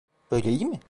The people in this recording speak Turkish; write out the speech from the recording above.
Böyle iyi mi?